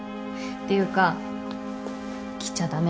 ていうか来ちゃ駄目。